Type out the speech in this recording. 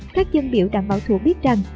các dân biểu đảng bảo thủ biết rằng